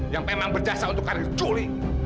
yang memang berjasa untuk karir juli